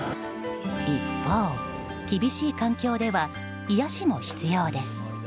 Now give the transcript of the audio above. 一方、厳しい環境では癒やしも必要です。